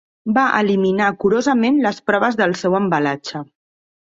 Va eliminar curosament les proves del seu embalatge.